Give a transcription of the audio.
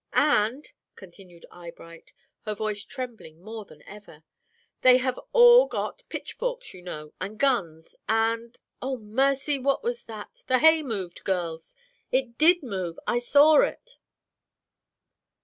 "And, " continued Eyebright, her voice trembling more than ever, "they have all got pitchforks, you know, and guns, and oh, mercy! what was that? The hay moved, girls, it did move, I saw it!"